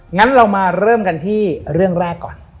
งั้นเรามาเริ่มกันที่เรื่องแรกก่อน